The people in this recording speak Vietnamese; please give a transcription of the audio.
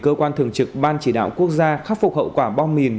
cơ quan thường trực ban chỉ đạo quốc gia khắc phục hậu quả bom mìn